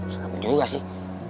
seram juga sih